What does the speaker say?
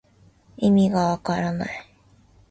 いみがわからない